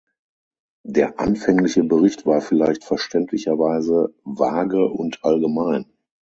Der anfängliche Bericht war vielleicht verständlicherweise vage und allgemein.